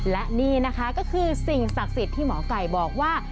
และนี่นะคะก็คือสิ่งศักดิ์สิทธิ์ที่หมอไก่บอกว่า